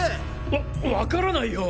わわからないよ！